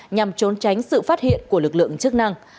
nhằm trốn tránh sự phát hiện của lực lượng chức năng